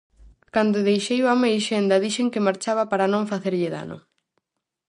Cando deixei o Ameixenda, dixen que marchaba para non facerlle dano.